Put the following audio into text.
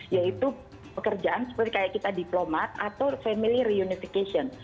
yaitu pekerjaan seperti kita diplomat atau family reunification